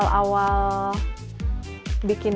kita harus memiliki keuntungan yang cukup untuk membuatnya